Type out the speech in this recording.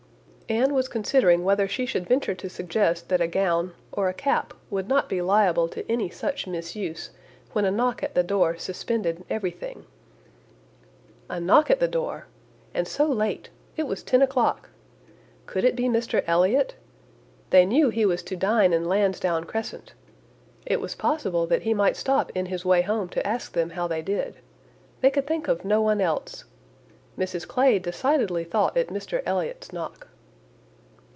Anne was considering whether she should venture to suggest that a gown, or a cap, would not be liable to any such misuse, when a knock at the door suspended everything. "A knock at the door! and so late! It was ten o'clock. Could it be Mr Elliot? They knew he was to dine in Lansdown Crescent. It was possible that he might stop in his way home to ask them how they did. They could think of no one else. Mrs Clay decidedly thought it Mr Elliot's knock."